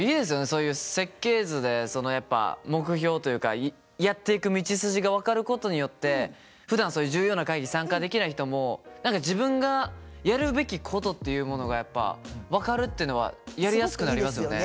そういう設計図でそのやっぱ目標というかやっていく道筋が分かることによってふだんそういう重要な会議に参加できない人も何か自分がやるべきことっていうものがやっぱ分かるっていうのはやりやすくなりますよね。